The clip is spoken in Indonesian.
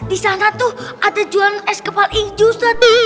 di sana tuh ada jualan es kepala hijau ustadz